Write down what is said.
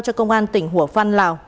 cho công an tỉnh hủa phan lào